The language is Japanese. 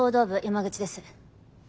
山口です。